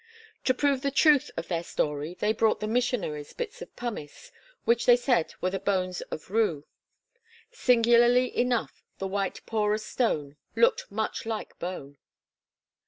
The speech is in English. To prove the truth of their story they brought the missionaries bits of pumice, which they said were the bones of Ru. Singularly enough the white porous stone looked much like bone.